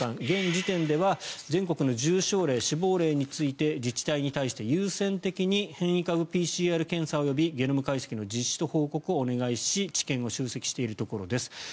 現時点では全国の重症例・死亡例については自治体に対して優先的に変異株ＰＣＲ検査及びゲノム解析の実施と報告をお願いし治験を集積しているところです。